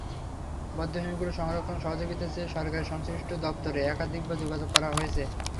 বধ্যভূমিগুলো সংরক্ষণে সহযোগিতা চেয়ে সরকারের সংশ্লিষ্ট দপ্তরে একাধিকবার যোগাযোগ করা হয়েছে।